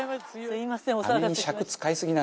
すみません。